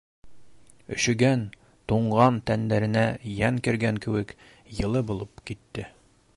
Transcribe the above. Өшөгән, туңған тәндәренә йән кергән кеүек, йылы булып китте.